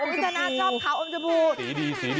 ขาวอมชมพูสีดี